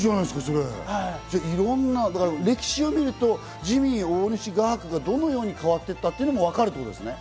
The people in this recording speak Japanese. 歴史を見ると、ジミー大西画伯がどのように変わっていったかもわかるということですね。